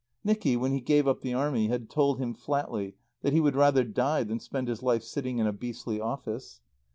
Nicky, when he gave up the Army, had told him flatly that he would rather die than spend his life sitting in a beastly office.